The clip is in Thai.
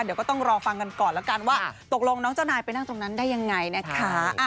เดี๋ยวก็ต้องรอฟังกันก่อนแล้วกันว่าตกลงน้องเจ้านายไปนั่งตรงนั้นได้ยังไงนะคะ